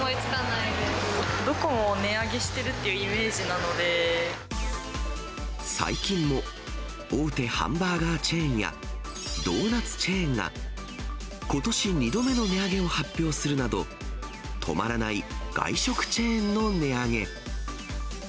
どこも値上げしてるっていう最近も、大手ハンバーガーチェーンや、ドーナツチェーンが、ことし２度目の値上げを発表するなど、止まらない外食チェーンの値上げ。